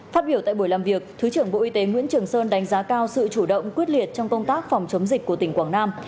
phát biểu tại buổi làm việc thứ trưởng bộ y tế nguyễn trường sơn đánh giá cao sự chủ động quyết liệt trong công tác phòng chống dịch của tỉnh quảng nam